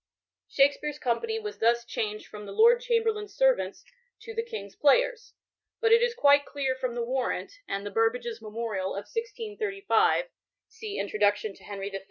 Shakspere*s company was thus changed from The Lord Chamberlain's Servants" to •*The King's Players," But it is quite clear from the Warrant, and the Burbages' Memorial of 1635 {see Introduction to Henry F.